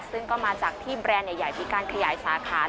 ซึ่งก็มาจากที่แบรนด์ใหญ่มีการขยายสาขา